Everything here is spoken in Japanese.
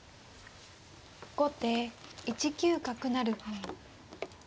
後手１九角成。